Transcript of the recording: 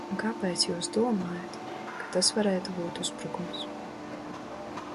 Un kāpēc jūs domājat, ka tas varētu būt uzbrukums?